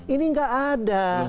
ini tidak ada